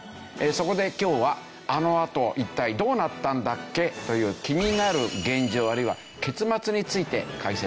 そこで今日はあのあと一体どうなったんだっけ？という気になる現状あるいは結末について解説して参ります。